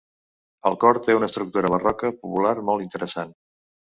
El cor té una estructura barroca popular, molt interessant.